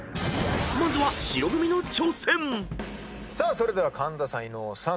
それでは神田さん伊野尾さん